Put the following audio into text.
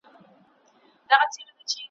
که څه هم چي په سینو کي به لرو غښتلي زړونه ,